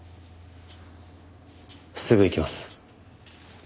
すぐ行きます。